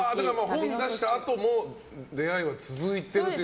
本を出したあとも出会いは続いていると。